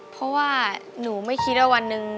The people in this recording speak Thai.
เพราะว่าหนูไม่คิดว่าวันหนึ่ง